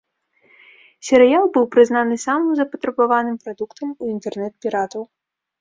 Серыял быў прызнаны самым запатрабаваным прадуктам у інтэрнэт-піратаў.